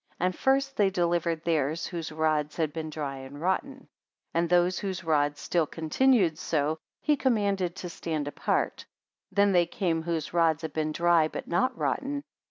And first they delivered theirs, whose rods had been dry and rotten. 35 And those whose rods still continued so, he commanded to stand apart. Then they came whose rods had been dry but not rotten.